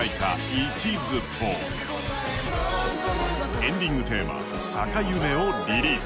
「一途」とエンディグテーマ「逆夢」をリリース。